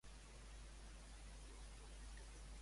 Va tenir relacions ella amb el seu espòs després?